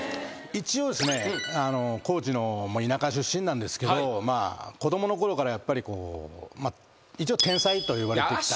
一応ですね高知の田舎出身なんですけど子供のころからやっぱり一応天才といわれてきた。